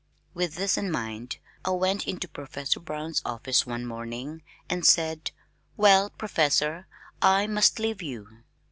With this in mind I went into Professor Brown's office one morning and I said, "Well, Professor, I must leave you."